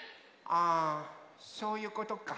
あそういうことか。